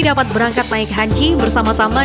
dapat berangkat naik haji bersama sama